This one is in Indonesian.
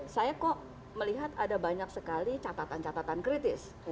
saya kok melihat ada banyak sekali catatan catatan kritis